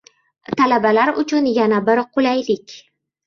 Talabalar uchun yana bir qulaylik